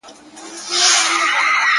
نن مي پر زړه باندي را اورې څه خوږه لګېږې -